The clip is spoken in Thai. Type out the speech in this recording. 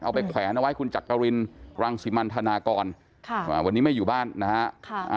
แขวนเอาไว้คุณจักรินรังสิมันธนากรวันนี้ไม่อยู่บ้านนะฮะ